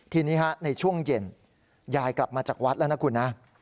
ทีนี้ในช่วงเย็นยายกลับมาจากวัดแล้วนะคุณนะ